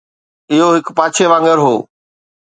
اهو هڪ پاڇي وانگر هو